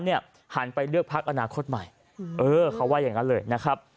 เนี่ยหันไปเลือกภาคอนาศาสตร์ข้นใหม่เออเขาว่ายังงั้นเลยนะครับ